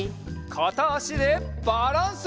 かたあしでバランス！